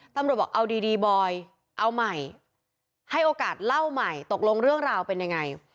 ตำรวจบอกเอาดีดีบอยเอาใหม่ให้โอกาสเล่าใหม่ตกลงเรื่องราวเป็นยังไง